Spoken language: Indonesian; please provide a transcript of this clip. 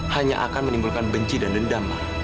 hanya akan menimbulkan benci dan dendam